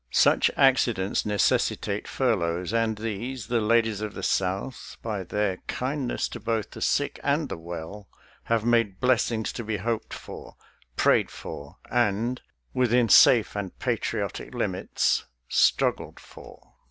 Such accidents necessitate furloughs, and these the 166 SOLDIER'S LETTERS TO CHARMING NELLIE ladies of the South, by their kindness to both the sick and the well, have made blessings to be hoped for, prayed for, and — ^within safe and pa triotic limits — struggled for.